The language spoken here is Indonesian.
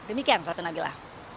demikian ratu nabila